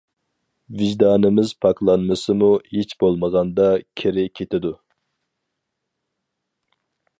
ۋىجدانىمىز پاكلانمىسىمۇ، ھېچ بولمىغاندا كىرى كېتىدۇ.